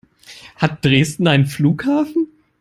Hat Dresden einen Flughafen?